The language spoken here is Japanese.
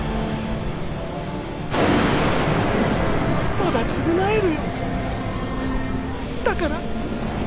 まだ償えるよだから。